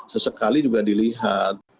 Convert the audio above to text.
sesekali juga dilihat